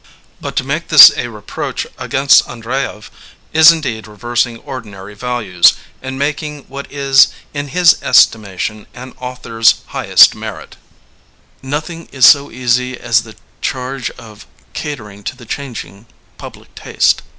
But to make this a reproach against Andreyev is indeed reversing^ ordinaryjr^lues and making a demerit of what ikJKStl^SlfiM^^s the highest merit. Nothing is so easy as the charge of catering to the changing public taste.